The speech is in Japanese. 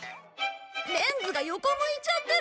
レンズが横向いちゃってる！